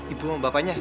ibu sama bapaknya